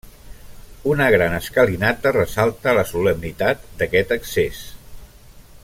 Una gran escalinata ressalta la solemnitat d'aquest accés.